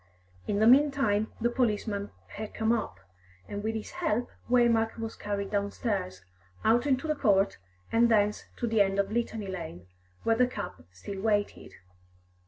In the meantime the policeman had come up, and with his help Waymark was carried downstairs, out into the court, and thence to the end of Litany Lane, where the cab still waited.